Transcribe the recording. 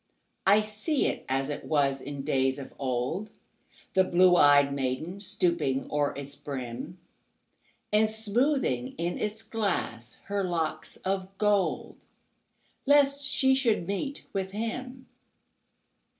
I see it as it was in days of old, The blue ey'd maiden stooping o'er its brim, And smoothing in its glass her locks of gold, Lest she should meet with him.